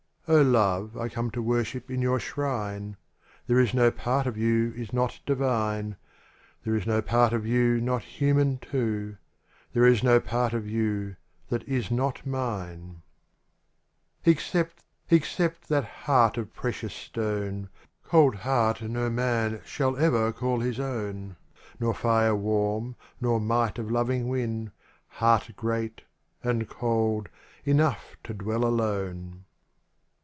^^^ LOVE, I come to worship in your shrine. There is no part of you is not divine. There is no part of you not human too. There is no part of you that is not mine; |XCEPT — except — that heart of precious stone. Cold heart no man shall ever call his own. Nor fire warm, nor might of loving win. Heart great — and cold— enough to dwell alone.